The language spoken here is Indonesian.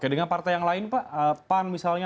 dengan partai yang lain pak pan misalnya